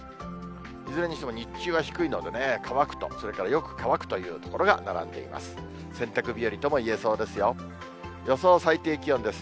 いずれにしても日中は低いのでね、乾くと、それからよく乾くという所が並んでいます。